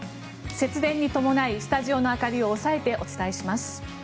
節電に伴いスタジオの明かりを抑えてお伝えします。